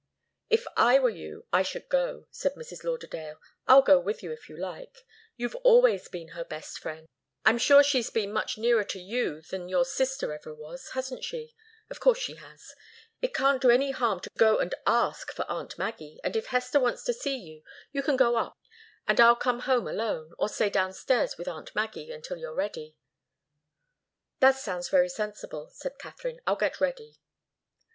"If I were you, I should go," said Mrs. Lauderdale. "I'll go with you, if you like. You've always been her best friend. I'm sure she's been much nearer to you than your sister ever was, hasn't she? Of course she has. It can't do any harm to go and ask for aunt Maggie, and if Hester wants to see you, you can go up and I'll come home alone, or stay downstairs with aunt Maggie until you're ready." "That sounds very sensible," said Katharine. "I'll get ready."